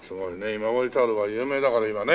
今治タオルは有名だから今ね。